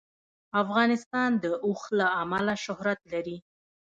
افغانستان د اوښ له امله شهرت لري.